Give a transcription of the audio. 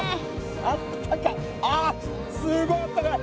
あったかああすごいあったかい！